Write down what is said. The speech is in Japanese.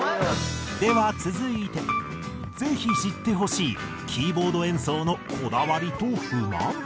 では続いてぜひ知ってほしいキーボード演奏のこだわりと不満。